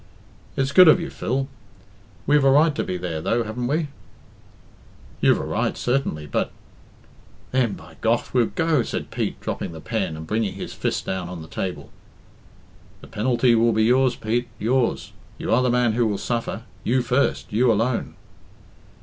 "It's good of you, Phil.... We've a right to be there, though, haven't we?" "You've a right, certainly, but " "Then, by gough, we'll go," said Pete, dropping the pen, and bringing his fist down on the table. "The penalty will be yours, Pete yours. You are the man who will suffer you first you alone."